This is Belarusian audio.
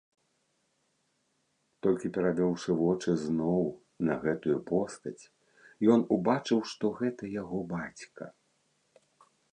Толькі перавёўшы вочы зноў на гэтую постаць, ён убачыў, што гэта яго бацька.